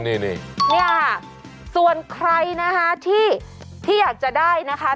นี่อะส่วนใครนะฮะที่อยากจะได้นะคะ